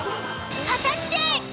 果たして！